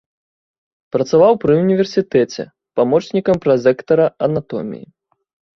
Працаваў пры ўніверсітэце памочнікам празектара анатоміі.